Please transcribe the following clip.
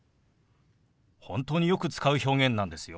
本当によく使う表現なんですよ。